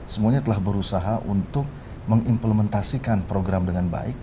semuanya telah berusaha untuk mengimplementasikan program dengan baik